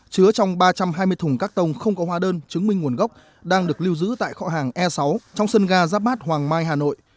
chứa trong ba trăm hai mươi thùng các tông không có hóa đơn chứng minh nguồn gốc đang được lưu giữ tại kho hàng e sáu trong sân ga giáp bát hoàng mai hà nội